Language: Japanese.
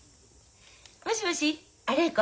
もしもしあ礼子？